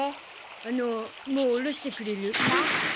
あのもう下ろしてくれる？んだ。